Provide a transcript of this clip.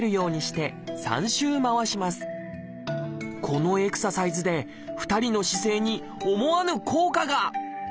このエクササイズで２人の姿勢に思わぬ効果が！